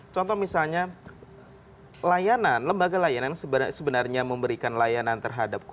contoh misalnya layanan lembaga layanan sebenarnya memberikan layanan terhadap kondisi